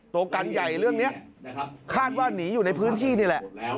ตัวกันใหญ่เรื่องนี้คาดว่าหนีอยู่ในพื้นที่นี่แหละ